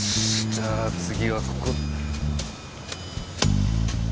じゃあ次はここ。